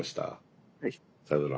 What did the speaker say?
さよなら。